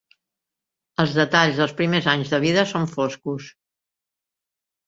Els detalls dels primers anys de vida són foscos.